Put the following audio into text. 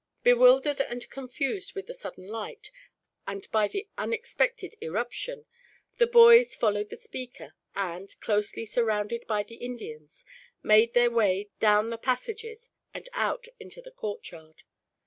Bewildered and confused with the sudden light, and by the unexpected irruption, the boys followed the speaker; and, closely surrounded by the Indians, made their way down the passages and out into the courtyard.